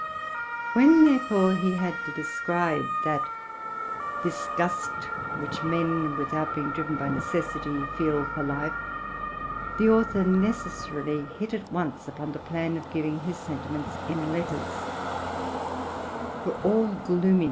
When, therefore, he had to describe that disgust which men, without being driven by ne cessity, feel for life, the author necessarily hit at once upen the plan of giving his sentiments in letters: for all gloomi RELATING TO MY LIFE.